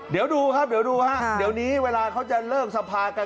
เดี๋ยวดูครับเดี๋ยวดูฮะเดี๋ยวนี้เวลาเขาจะเลิกสภากัน